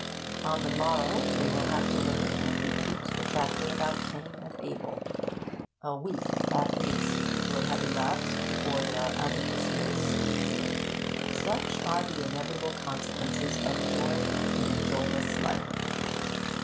On the morrow they will have to learn and repeat the chapter about Cain and Abel. A week, at least, will have elapsed before they are out of disgrace. Such are the inevitable consequences of joy in a joyless life.